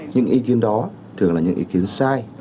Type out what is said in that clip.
những ý kiến đó thường là những ý kiến sai